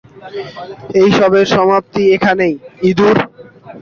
এসবের সমাপ্তি এখানেই, ইঁদুর।